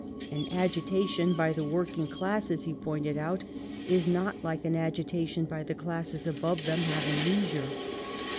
" An agitation by the working classes," he pointed out, "is not like an agitation by the classes above them having leisure.